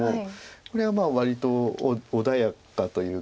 これは割と穏やかというか。